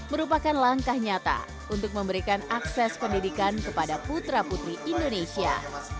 merupakan langkah nyata untuk memberikan akses pendidikan kepada putra putri indonesia